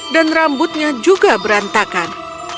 dan rambutnya juga berantakan